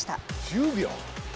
１０秒。